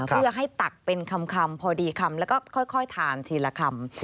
เพื่อให้ตักเป็นคำพอดีคำแล้วก็ค่อยทานทีละคำ